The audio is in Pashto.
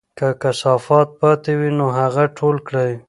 که کثافات پاتې وي، هغه ټول کړئ.